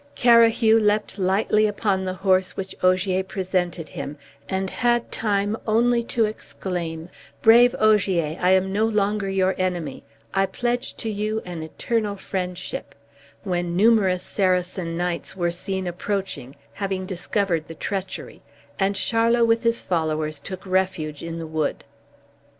Carahue leapt lightly upon the horse which Ogier presented him, and had time only to exclaim, "Brave Ogier, I am no longer your enemy, I pledge to you an eternal friendship," when numerous Saracen knights were seen approaching, having discovered the treachery, and Charlot with his followers took refuge in the wood.